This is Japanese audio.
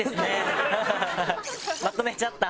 まとめちゃった。